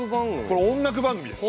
これ音楽番組です。